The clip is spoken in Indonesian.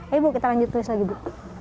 ayo bu kita lanjut tulis lagi bu